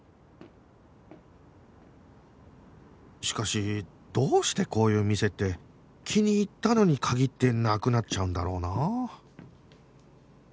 Ｎｏ．１しかしどうしてこういう店って気に入ったのに限ってなくなっちゃうんだろうな